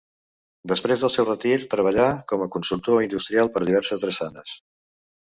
Després del seu retir treballà com a consultor industrial per diverses drassanes.